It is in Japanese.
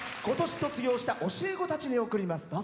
ことし卒業した教え子たちに送ります。